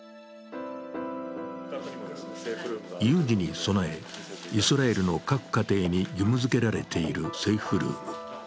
有事に備え、イスラエルの各家庭に義務づけられているセーフルーム。